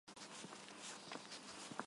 Սկրադին և օլաիկոլա գետի ստորին հատվածը։